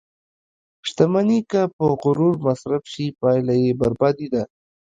• شتمني که په غرور مصرف شي، پایله یې بربادي ده.